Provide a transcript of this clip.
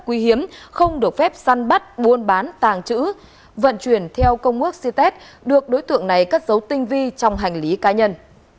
quý hiếm không được phép săn bắt buôn bán tàng trữ vận chuyển theo công ước cit được đối tượng này cất dấu tinh vi trong hành lý cá nhân